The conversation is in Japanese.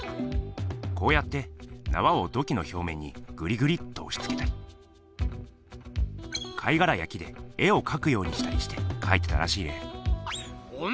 こうやって縄を土器の表面にグリグリっとおしつけたり貝がらや木で絵をかくようにしたりしてかいてらしいね。